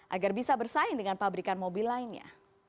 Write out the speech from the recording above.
agar bisa bersaing dengan pabrikan mobil lainnya